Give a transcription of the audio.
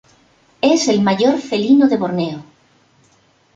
Es el mayor felino de Borneo.